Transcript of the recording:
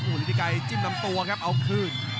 ฤทธิไกรจิ้มลำตัวครับเอาคืน